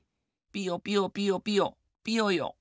ピヨピヨピヨピヨピヨヨ。